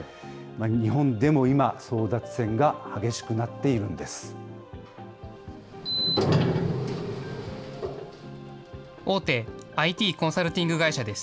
日本でも今、争奪戦が激しくなっているんです。